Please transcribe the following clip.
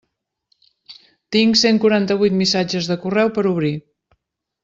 Tinc cent quaranta-vuit missatges de correu per obrir.